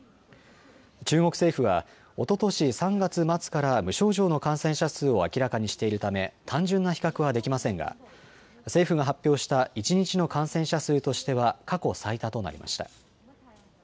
中国政府は、おととし３月末から無症状の感染者数を明らかにしているため単純な比較はできませんが政府が発表した一日の感染者数としては過去最多となりました。